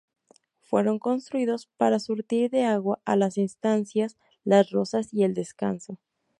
Fueron construidos para surtir de agua a las estancias Las Rosas y El Descanso.